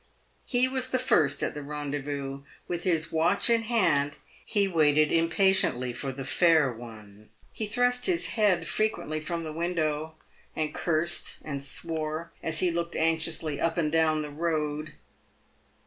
He was the first at the rendezvous. With his watch in his hand, he waited impatiently for the fair one. He thrust his head frequently from the window, and cursed and swore as he looked anxiously up and down the road.